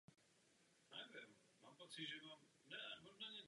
Většina ovoce začíná svůj vývoj jako květiny.